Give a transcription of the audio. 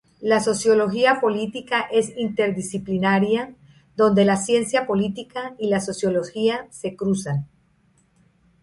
La sociología política es interdisciplinaria, donde la ciencia política y la sociología se cruzan.